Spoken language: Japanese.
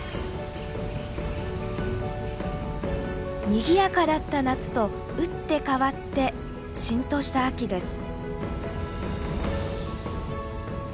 にぎやかだった夏と打って変わってしんとした秋です。